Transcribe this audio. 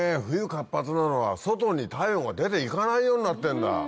冬活発なのは外に体温が出て行かないようになってんだ！